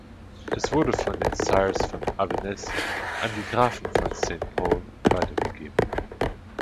Es wurde von den Sires von Avesnes an die Grafen von Saint Pol weitergegeben.